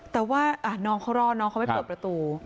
แต่ว่าน้องเขารอดน้องเขาไปเปิดประตู